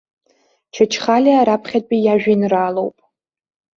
Чачхалиа раԥхьатәи иажәеинраалоуп.